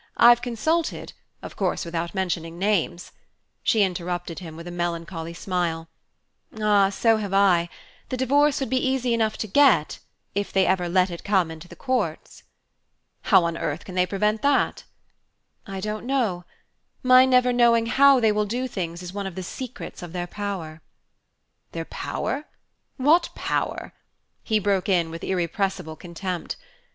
I've consulted of course without mentioning names " She interrupted him, with a melancholy smile: "Ah, so have I. The divorce would be easy enough to get, if they ever let it come into the courts." "How on earth can they prevent that?" "I don't know; my never knowing how they will do things is one of the secrets of their power." "Their power? What power?" he broke in with irrepressible contempt.